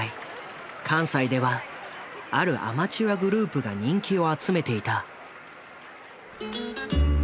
関西ではあるアマチュアグループが人気を集めていた。